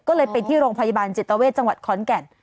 ก็เลยไปที่โรงพยาบาลจิตเวทจังหวัดขอนแก่น